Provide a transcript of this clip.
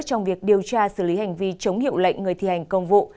trong việc điều tra xử lý hành vi chống hiệu lệnh người thi hành công vụ